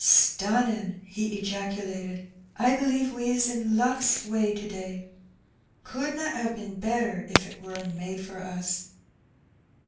^' Stunnin' !" he ejaculated ; I believe we is in luck^s way to day. Couldna have bin better if it were a made for us.